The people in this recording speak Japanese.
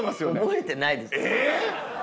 覚えてないです！